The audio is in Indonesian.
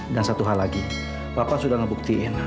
dan satu hal lagi papa sudah ngebuktiin